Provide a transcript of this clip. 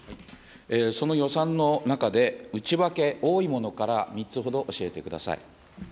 その予算の中で、内訳、多いものから３つほど教えてください。